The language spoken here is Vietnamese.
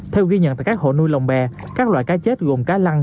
theo ghi nhận tại các hộ nuôi lồng bè các loại cá chết gồm cá lăng